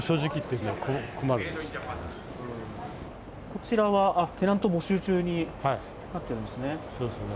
こちらは、あっ、テナント募集中になってるんですね。